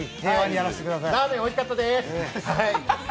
ラーメンおいしかったです。